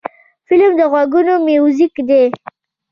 فلم د غوږونو میوزیک دی